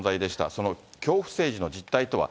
その恐怖政治の実態とは。